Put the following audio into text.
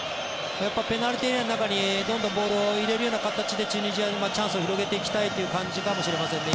ペナルティーエリアの中にどんどんボールを入れる形でチュニジアはチャンスを広げていきたいという感じかもしれませんね。